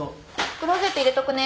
クローゼット入れとくね。